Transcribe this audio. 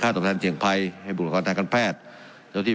ค่าตอบแทนเฉียงภัยให้บุรกรความแทนการแพทย์โดยที่